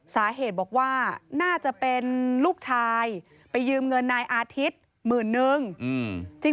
สาเหตุบอกว่าน่าจะเป็นลูกชายไปยืมเงินนายอาทิตย์หมื่นนึง